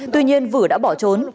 tuy nhiên vử đã bỏ trốn